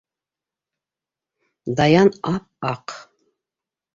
Даян ап-аҡ...